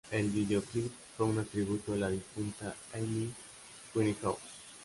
El videoclip fue un tributo a la difunta Amy Winehouse.